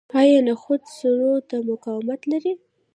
آیا نخود سړو ته مقاومت لري؟